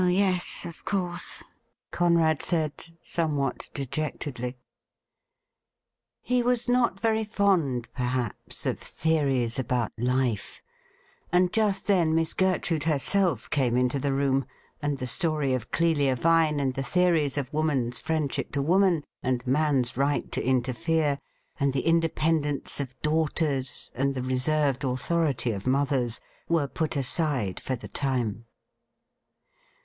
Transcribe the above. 70( THE RIDDLE RING ' Oh yes, of course,' Conrad said, somewhat dejectedly. He was not very fond, perhaps, of theories about life, and just then Miss Gertrude herself came into the room, and the story of Clelia Vine, and the theories of woman's friendship to woman, and man's right to interfere, and the independence of daughters, and the reserved authority of mothers, were put aside for the time.